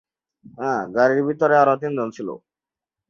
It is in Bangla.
গাড়ির ভেতরে আরও তিনজন ছিল।